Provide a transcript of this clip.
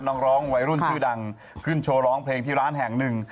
น้องร้องวัยรุ่นชื่อดังขึ้นโชว์ร้องเพลงที่ร้านแห่งหนึ่ง